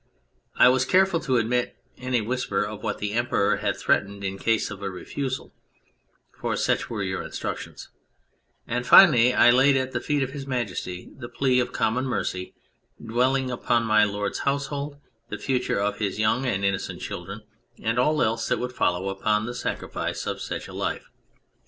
I was careful to omit any whisper of what the Emperor had threatened in case of a refusal (for such were your instructions), and finally I laid at the feet of His Majesty the plea of common mercy, dwelling upon My Lord's household, the future of his young and innocent children, and all else that would follow upon the sacrifice of such a life.